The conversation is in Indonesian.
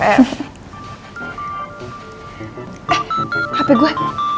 eh hp gua